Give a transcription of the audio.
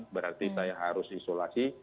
berarti saya harus isolasi